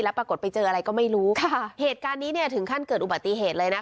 ปรากฏไปเจออะไรก็ไม่รู้ค่ะเหตุการณ์นี้เนี่ยถึงขั้นเกิดอุบัติเหตุเลยนะคะ